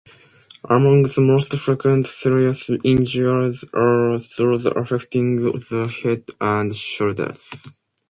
Among the most frequent serious injuries are those affecting the head and shoulders.